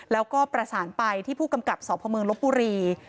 แล้วก็ประสานไปที่ผู้กำกับสพเมืองลบบุรี